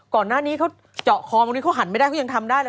ก่อนหน้านี้เขาเจาะคอบางทีเขาหันไม่ได้เขายังทำได้เลย